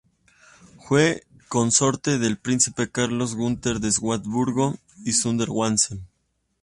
Fue consorte del príncipe Carlos Gunter de Schwarzburgo-Sondershausen.